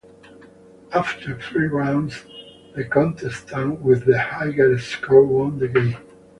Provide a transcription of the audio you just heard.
After three rounds, the contestant with the higher score won the game.